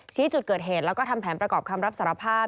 ชี้จุดเกิดเหตุแล้วก็ทำแผนประกอบคำรับสารภาพ